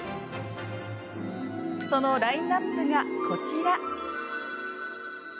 そのラインナップが、こちら。